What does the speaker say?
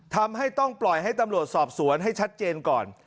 ทำให้ต้องปล่อยให้ตำรวจสอบสวนให้ชัดเจนก่อน